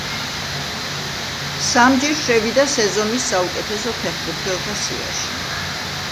სამჯერ შევიდა სეზონის საუკეთესო ფეხბურთელთა სიაში.